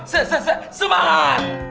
se se se semangat